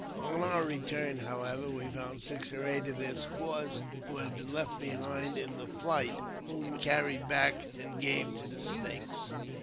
On our return, however, we found six or eight of their squaws, who had been left behind in the flight, whom we carried back and gave to the Snakes.